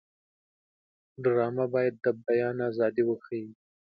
ډرامه باید د بیان ازادي وښيي